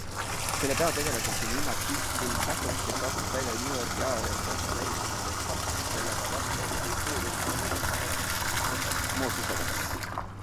Selle peategelaseks on linnaaktivist Jane Jacobs, kes astub välja New Yorgi ajaloolise osa säilitamise eest, sattudes sellega vastuollu mõjuvõimsa linnaplaneerija Robert Mosesega.